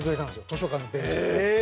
図書館のベンチで。